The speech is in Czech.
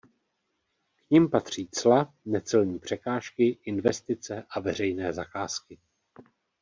K nim patří cla, necelní překážky, investice a veřejné zakázky.